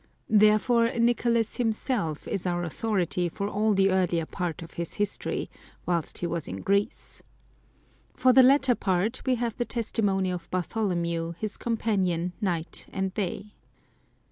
Therefore Nicolas himself is our authority for all the earlier part of his history, whilst he was in Greece. For the latter part we have the testimony of Bartholomew, his companion night and day.